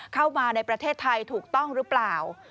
เข้ามาในประเทศไทยถูกต้องหรือเปล่า